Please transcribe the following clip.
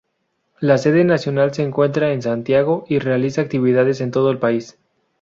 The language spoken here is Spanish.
La sede nacional se encuentra en Santiago y realiza actividades en todo el país.